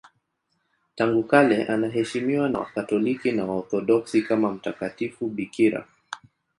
Tangu kale anaheshimiwa na Wakatoliki na Waorthodoksi kama mtakatifu bikira.